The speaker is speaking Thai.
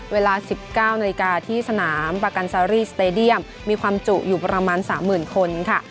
เวลา๑๙นาฬิกาที่สนามประกันซารีสเตดียมมีความจุอยู่ประมาณ๓๐๐๐คนค่ะ